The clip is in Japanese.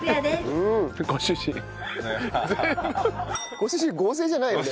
ご主人合成じゃないよね？